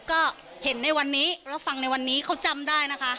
ก็เห็นในวันนี้แล้วฟังในวันนี้เขาจำได้นะคะ